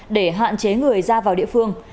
để hạn chế người ra vào địa phương